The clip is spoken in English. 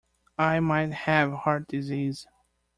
I might have heart disease.